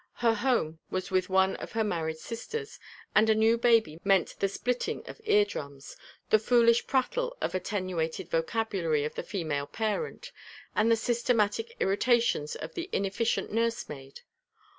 Her home was with one of her married sisters, and a new baby meant the splitting of ear drums, the foolish prattle and attenuated vocabulary of the female parent, and the systematic irritations of the inefficient nurse maid.